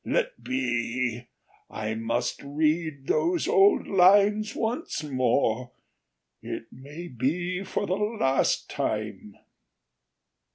Let be! I must read those old lines once more—it may be for the last time."